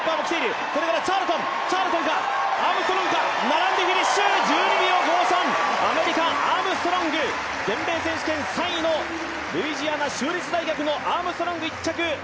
並んでフィニッシュ、１２秒５３アメリカ、アームストロング、全米選手権３位のルイジアナ州立大学のアームストロング、１着。